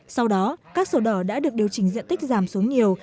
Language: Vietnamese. sau đó các sổ đỏ đã được điều chỉnh diện tích giảm xuống nhiều